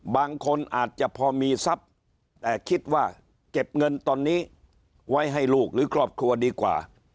บางคนอาจจะพอมีทรัพย์แต่คิดว่าเก็บเงินตอนนี้ไว้ให้ลูกหรือครอบครัวดีกว่า